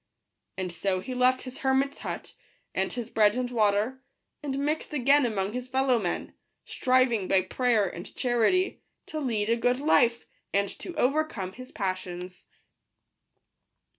And so he left his hermits hut, and his bread and water, and mixed again among his fellow men, striving, by prayer and charity, to lead a good life, and to overcome his passions.